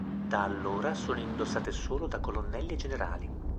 Da allora sono indossate solo da colonnelli e generali.